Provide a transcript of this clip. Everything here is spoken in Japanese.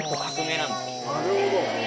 なるほど。